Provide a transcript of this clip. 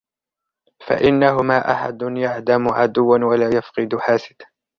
فَإِنَّهُ مَا أَحَدٌ يَعْدَمُ عَدُوًّا وَلَا يَفْقِدُ حَاسِدًا